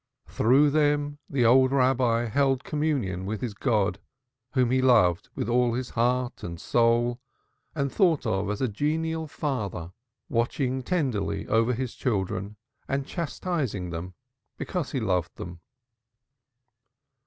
Through them the old Rabbi held communion with his God whom he loved with all his heart and soul and thought of as a genial Father, watching tenderly over His froward children and chastising them because He loved them.